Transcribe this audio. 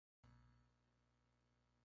E. Smith.